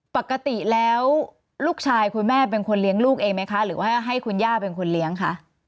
ปกติแล้วลูกชายคุณแม่เป็นคนเลี้ยงลูกเองไหมคะหรือว่าให้คุณย่าเป็นคนเลี้ยงคะ